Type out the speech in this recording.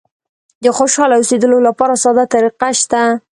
د خوشاله اوسېدلو لپاره ساده طریقه شته.